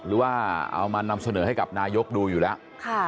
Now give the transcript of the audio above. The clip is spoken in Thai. หรือว่าเอามานำเสนอให้กับนายกดูอยู่แล้ว